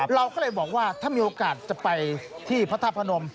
เราก็เลยบอกว่าถ้ามีโอกาสจะไปที่พระธาตุพนม